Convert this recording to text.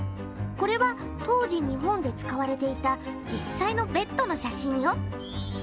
これは当時日本で使われていた実際のベッドの写真よ。